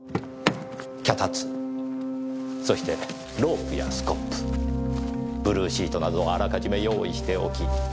脚立そしてロープやスコップブルーシートなどをあらかじめ用意しておき。